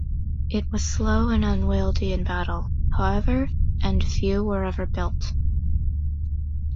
It was slow and unwieldy in battle, however, and few were ever built.